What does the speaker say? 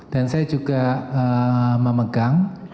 dan saya juga memegang